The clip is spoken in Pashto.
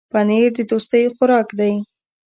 پنېر د دوستۍ خوراک دی.